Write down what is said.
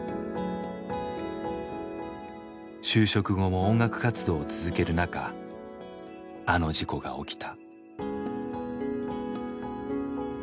就職後も音楽活動を続けるなかあの事故が起きた。